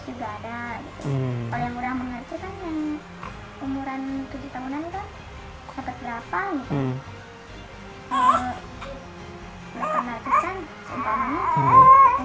kalau delapan ratus kan seumpamanya bawa aku ke bagian segini